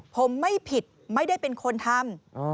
ผมไม่ผิดไม่ได้เป็นคนทำ